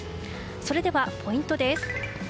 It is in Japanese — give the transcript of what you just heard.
それではポイントです。